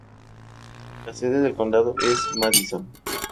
Es sede del condado de Madison.